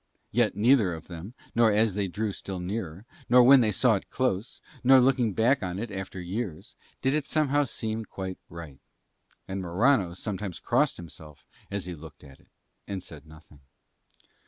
Yet neither then, nor as they drew still nearer, nor when they saw it close, nor looking back on it after years, did it somehow seem quite right. And Morano sometimes crossed himself as he looked at it, and said nothing.